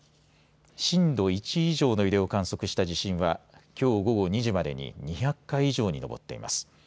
震度１以上の揺れを観測した地震はきょう午後２時までに２００回以上に上っています。